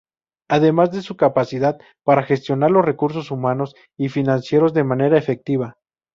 Además de su capacidad, para gestionar los recursos humanos y financieros de manera efectiva.